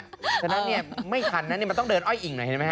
ฉะนั้นเนี่ยไม่ทันนะมันต้องเดินอ้อยอิ่งหน่อยเห็นไหมฮ